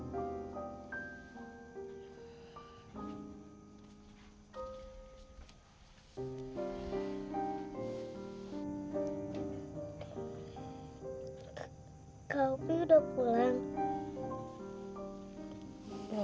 kak kak opi udah pulang